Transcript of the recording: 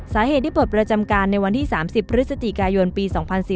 สาเหตุที่ปลดประจำการในวันที่๓๐พฤศจิกายนปี๒๔๙